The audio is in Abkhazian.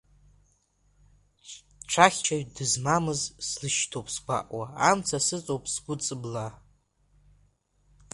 Цәахьчаҩ дызмамыз слышьҭоуп сгәаҟуа, амца сыҵоуп сгәы ҵыблаа.